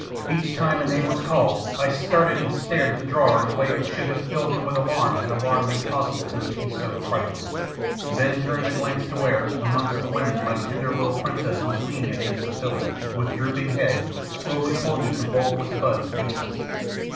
Each time a name was called I started and stared at the drawer in a way which should have filled him with alarm had alarm been possible to the peace soaked triflers, then turned to glance to where, amongst the women, my tender little princess was leaning against a pillar, with drooping head, slowly pulling a convolvulus bud to pieces.